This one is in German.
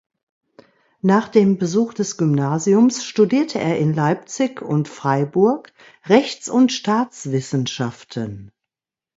Nach dem Besuch des Gymnasiums studierte er in Leipzig und Freiburg Rechts- und Staatswissenschaften.